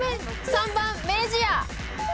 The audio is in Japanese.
３番明治屋。